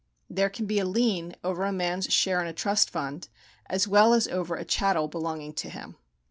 There can be a lien over a man's share in a trust fund, as well as over a chattel belonging to him.